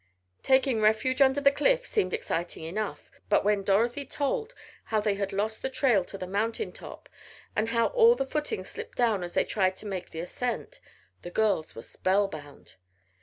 Taking refuge under the cliff seemed exciting enough, but when Dorothy told how they had lost the trail to the mountain top, and how all the footing slipped down as they tried to make the ascent, the girls were spell bound.